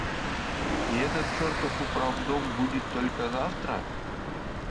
И этот чертов управдом будет только завтра!